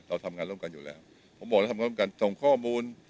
เราทำงานร่วมกันอยู่แล้วผมบอกแล้วทำร่วมกันส่งข้อมูล